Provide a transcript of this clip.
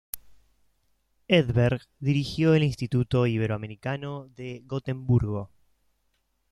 Edberg dirigió el Instituto Iberoamericano de Gotemburgo.